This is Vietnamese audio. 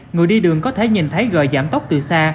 người đi đường có thể nhìn thấy gờ giảm tốc từ xa